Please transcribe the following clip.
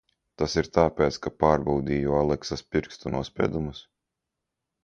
Tas ir tāpēc, ka pārbaudīju Aleksas pirkstu nospiedumus?